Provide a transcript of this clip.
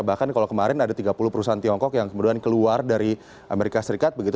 bahkan kalau kemarin ada tiga puluh perusahaan tiongkok yang kemudian keluar dari amerika serikat begitu